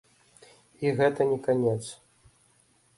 І гэта не канец.